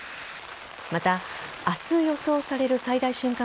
また、明日予想される最大瞬間